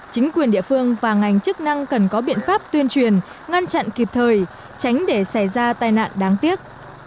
thuyền ngăn chặn kịp thời tránh để xảy ra tai nạn đáng tiếc